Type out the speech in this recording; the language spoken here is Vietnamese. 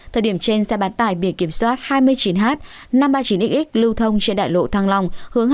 thời điểm trên xe bán tải biển kiểm soát hai mươi chín h năm trăm ba mươi chín x lưu thông trên đại lộ thăng long